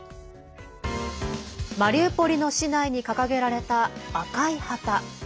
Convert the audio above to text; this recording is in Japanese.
マリウポリの市内に掲げられた赤い旗。